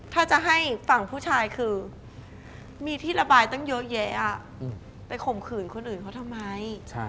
ถ้าจะให้ฝั่งผู้ชายคือมีที่ระบายตั้งเยอะแยะไปข่มขืนคนอื่นเขาทำไม